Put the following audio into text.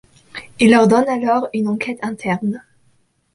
Il ordonne alors une enquête interne.